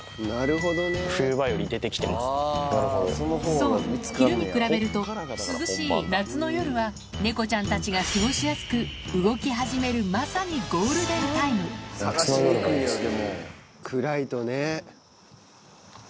そう昼に比べると涼しい夏の夜は猫ちゃんたちが過ごしやすく動き始めるまさにゴールデンタイム夏の夜がいいんですね。